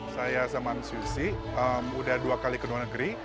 saya sama mcuc udah dua kali ke dua negeri